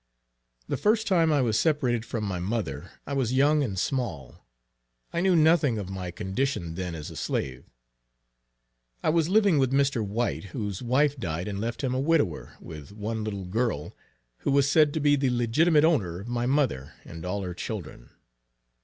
The first time I was separated from my mother, I was young and small. I knew nothing of my condition then as a slave. I was living with Mr. White, whose wife died and left him a widower with one little girl, who was said to be the legitimate owner of my mother, and all her children.